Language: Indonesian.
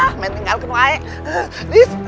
saya tinggal di rumah saya